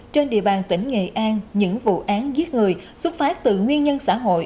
trên địa bàn tỉnh nghệ an những vụ án giết người xuất phát từ nguyên nhân xã hội